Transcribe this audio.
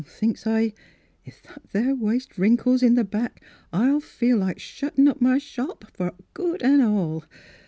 " Thinks s' I, if that there waist wrin kles in the back I'll feel like shuttin' up m' shop fer good an' all."